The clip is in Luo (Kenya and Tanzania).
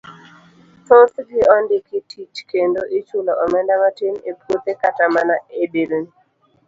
Thoth gi ondiki tich kendo ichulo omenda matin e puothe kata mana e delni.